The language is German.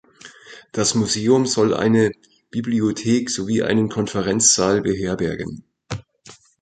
Das Museum soll eine Bibliothek sowie einen Konferenzsaal beherbergen.